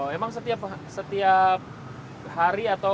emang setiap hari atau